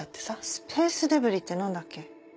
スペースデブリって何だっけ。